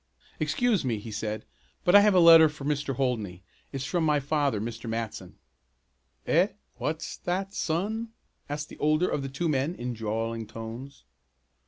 "Excuse me," he said, "but I have a letter for Mr. Holdney. It's from my father, Mr. Matson." "Eh, what's that son?" asked the older of the two men, in drawling tones.